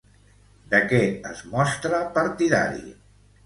De què es mostra partidari?